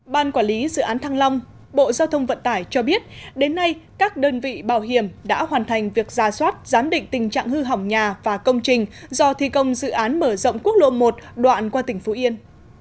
ban quản lý dự án thăng long bộ giao thông vận tải cho biết đến nay các đơn vị bảo hiểm đã hoàn thành việc ra soát giám định tình trạng hư hỏng nhà và công trình do thi công dự án mở rộng quốc lộ một đoạn qua tỉnh phú yên